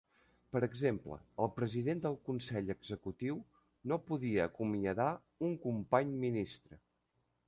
Per exemple, el president del consell executiu no podia acomiadar un company ministre.